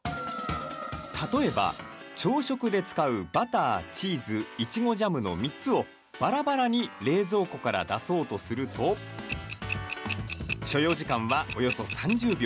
例えば、朝食で使うバターチーズ、いちごジャムの３つをばらばらに冷蔵庫から出そうとすると所要時間は、およそ３０秒。